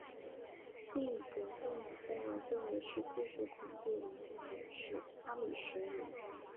另一个被某些人认为是技术恐惧人群的是阿米什人。